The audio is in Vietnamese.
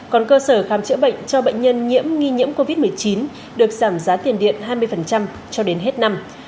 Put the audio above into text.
còn cơ sở khám chữa bệnh cho bệnh nhân nhiễm nghi nhiễm covid một mươi chín được giảm giá tiền điện hai mươi cho đến hết năm